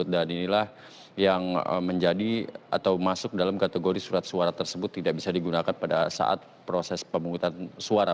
dan inilah yang menjadi atau masuk dalam kategori surat suara tersebut tidak bisa digunakan pada saat proses pemutahan suara